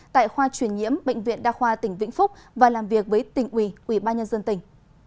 tại khoa chuyển nhiễm bệnh viện đa khoa tỉnh vĩnh phúc và làm việc với tỉnh ủy ủy ban nhân dân tỉnh